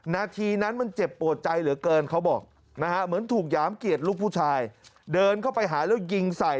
ณทีนั้นมันเจ็บปวดใจเหลือเกินเขาบอกนะฮะ